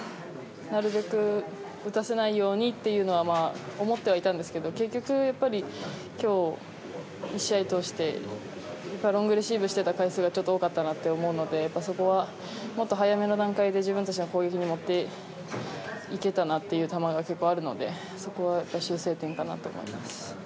なるべく打たせないようにというのは思ってはいたんですけど結局、今日１試合を通してロングレシーブしていた回数が多かったなと思うのでそこはもっと早めの段階で自分たちの攻撃に持っていけたらなという球が結構、あるのでそこは修正点かなと思います。